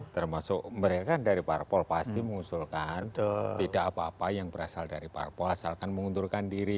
termasuk mereka dari parpol pasti mengusulkan tidak apa apa yang berasal dari parpol asalkan mengundurkan diri